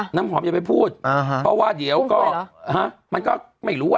อ่านำหอมอยากไปพูดเพราะว่าเดี๋ยวก็ว่าเหรอฮะมันก็ไม่รู้อ่ะ